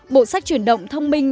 bộ sách truyền động thông minh